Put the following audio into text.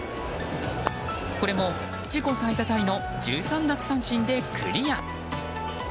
これも、自己最多タイの１３奪三振でクリア！